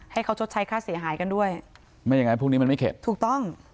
ให้เขาชดใช้ค่าเสียหายกันด้วยไม่ยังไงพวกนี้มันไม่เข็ดถูกต้อง